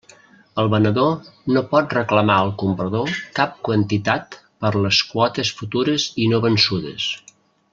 El venedor no pot reclamar al comprador cap quantitat per les quotes futures i no vençudes.